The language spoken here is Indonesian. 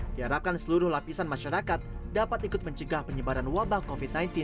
diharapkan seluruh lapisan masyarakat dapat ikut mencegah penyebaran wabah covid sembilan belas